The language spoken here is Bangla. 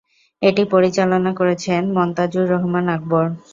এটি পরিচালনা করেছেন মনতাজুর রহমান আকবর।